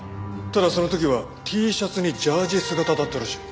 ただその時はＴシャツにジャージー姿だったらしい。